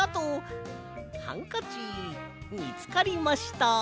ハンカチみつかりました。